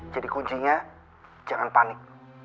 jadi kuncinya jangan panik